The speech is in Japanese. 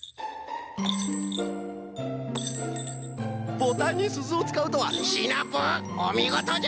ボタンにすずをつかうとはシナプーおみごとじゃ！